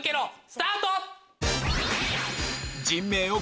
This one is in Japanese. スタート！